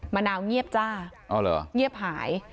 มะนาวเงียบหาย